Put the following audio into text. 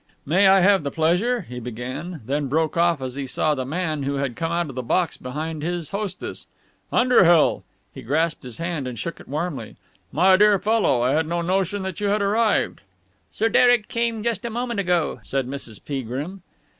"May I have the pleasure...?" he began, then broke off as he saw the man who had come out of the box behind his hostess. "Underhill!" He grasped his hand and shook it warmly. "My dear fellow! I had no notion that you had arrived!" "Sir Derek came just a moment ago," said Mrs. Peagrim.